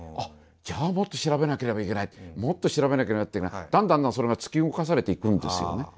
じゃあもっと調べなければいけないってもっと調べなきゃなってだんだんそれが突き動かされていくんですよね。